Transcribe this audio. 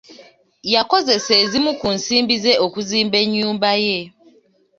Yakozesa ezimu ku nsimbi ze okuzimba ennyumba ye